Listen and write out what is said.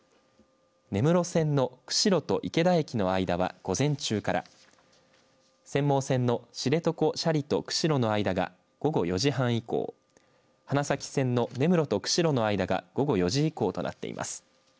根室線の釧路と池田駅の間は午前中から釧網線の知床斜里と釧路の間が午後４時半以降花咲線の根室と釧路の間が午後４時以降となっています。